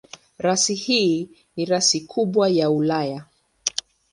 Rasi hii ni rasi kubwa ya Ulaya.